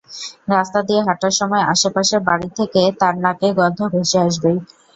রাস্তা দিয়ে হাঁটার সময় আশপাশের বাড়ি থেকে তাঁর নাকে গন্ধ ভেসে আসবেই।